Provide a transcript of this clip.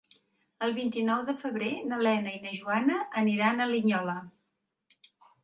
El vint-i-nou de febrer na Lena i na Joana aniran a Linyola.